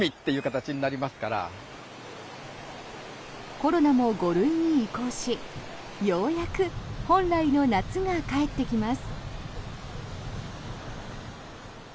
コロナも５類に移行しようやく本来の夏が帰ってきます。